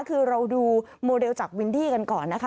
คือเราดูโมเดลจากวินดี้กันก่อนนะคะ